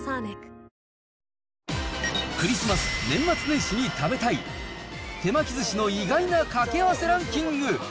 クリスマス、年末年始に食べたい、手巻きずしの意外な掛け合わせランキング。